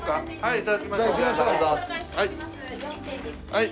はい。